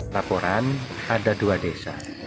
laporan ada dua desa